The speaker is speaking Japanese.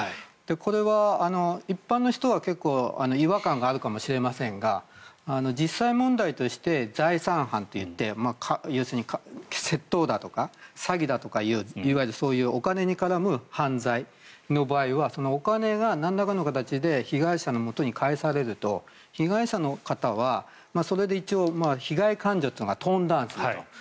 これは一般の人は結構違和感があるかもしれませんが実際問題として財産犯といって要するに窃盗だとか詐欺だとかいういわゆる、そういうお金に絡む犯罪の場合はお金がなんらかの形で被害者のもとに返されると被害者の方はそれで一応被害感情というのがトーンダウンすると。